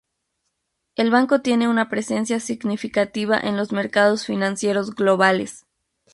El banco tiene una presencia significativa en los mercados financieros globales.